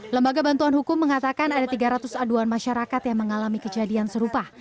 lembaga bantuan hukum mengatakan ada tiga ratus aduan masyarakat yang mengalami kejadian serupa